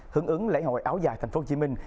hứng ứng lễ hội áo dài thành phố hồ chí minh